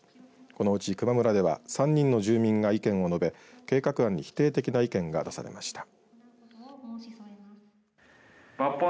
このうち球磨村では３人の住民が意見を述べ計画案に否定的な意見が出されました。